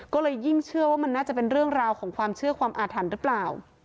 ก็เลยยิ่งเชื่อว่ามันน่าจะเป็นเรื่องราวของความเชื่อความอาถรรพ์หรือเปล่า